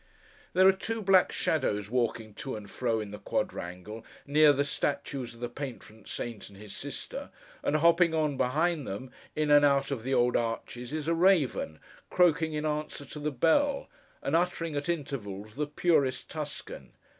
There are two black shadows walking to and fro in the quadrangle, near the statues of the Patron Saint and his sister; and hopping on behind them, in and out of the old arches, is a raven, croaking in answer to the bell, and uttering, at intervals, the purest Tuscan.